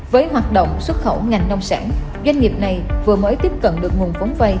với hoạt động xuất khẩu ngành nông sản doanh nghiệp này vừa mới tiếp cận được nguồn vốn vay